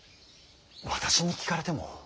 私に聞かれても。